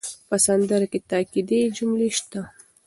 په سندره کې تاکېدي جملې شته.